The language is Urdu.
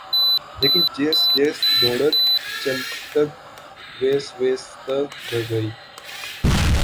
لیکن جیس جیس دوڑ گ ، چلتے گ ویس ویس ت دھ گئی